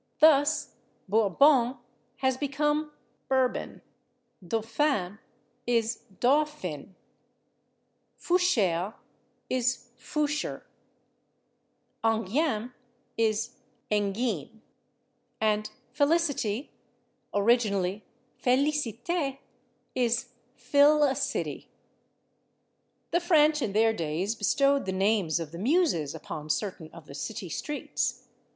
Thus, /Bourbon/ has become /Bur bun/, /Dauphine/ is /Daw fin/, /Foucher/ is /Foosh'r/, /Enghien/ is /En gine/, and /Felicity/ (originally /Félicité/) is /Fill a city/. The French, in their days, bestowed the names of the Muses upon certain of the city streets.